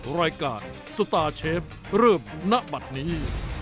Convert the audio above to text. รายการสตาร์เชฟเริ่มณบัตรนี้